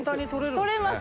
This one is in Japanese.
取れます